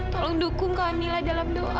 tolong dukung kamila dalam doa